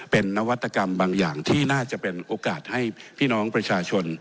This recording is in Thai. เป็นนวัตกรรมบางอย่างที่น่าจะเป็นโอกาสให้พี่น้องประชาชน